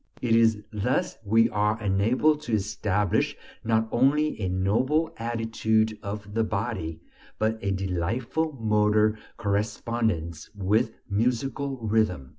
It is thus we are enabled to establish not only a noble attitude of the body, but a delightful motor correspondence with musical rhythm.